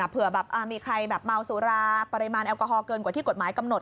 เผื่อแบบมีใครแบบเมาสุราปริมาณแอลกอฮอลเกินกว่าที่กฎหมายกำหนด